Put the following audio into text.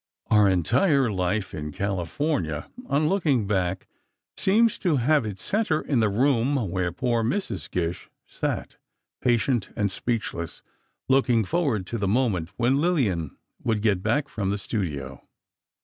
Our entire life in California on looking back, seems to have its centre in the room where poor Mrs. Gish sat, patient and speechless, looking forward to the moment when Lillian would get back from the studio.